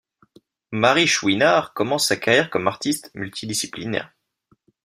Marie Chouinard commence sa carrière comme artiste multidisciplinaire.